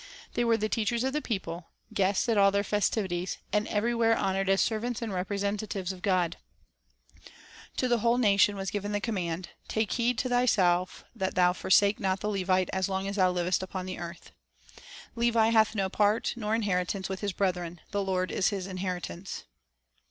They were the teachers of the people, guests at all their festivities, and every where honored as servants and representatives of God. 'Gen. 49:7. 2 D«Ut 10:8; Mai. 2:5, 6. Bible Biographies 149 To the whole nation was given the command: "Take heed to thyself that thou forsake not the Levite as long as thou livest upon the earth." "Levi hath no part nor inheritance with his brethren; the Lord is his inheritance."